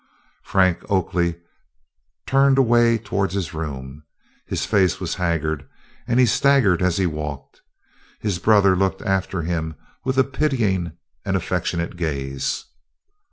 Frank Oakley turned away towards his room. His face was haggard, and he staggered as he walked. His brother looked after him with a pitying and affectionate gaze.